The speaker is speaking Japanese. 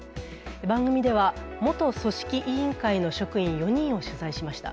番組では、元組織委員会の職員４人を取材しました。